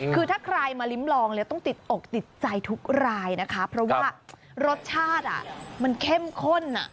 คือถ้าใครมาลิ้มลองแล้วต้องติดอกติดใจทุกรายนะคะเพราะว่ารสชาติมันเข้มข้น